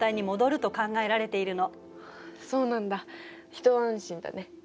一安心だね。